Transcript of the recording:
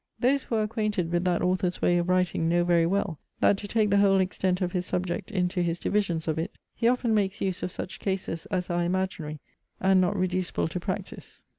Those who are acquainted with that author's way of writing, know very well, that to take the whole extent of his subject into his divisions of it, he often makes use of such cases as are imaginary, and not reducible to practice.